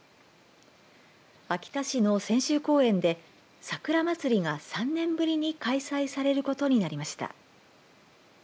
秋田市の千秋公園で桜まつりが３年ぶりに開催されることになりました。